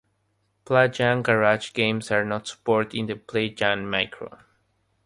Play-Yan Garage Games are not supported in the Play-Yan Micro.